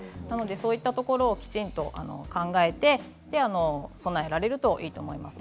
そういうところをきちんと考えて備えられるといいと思います。